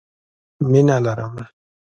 مينه لرم